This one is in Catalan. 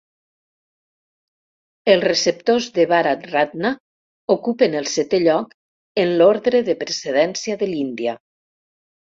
Els receptors de Bharat Ratna ocupen el setè lloc en l'ordre de precedència de l'Índia.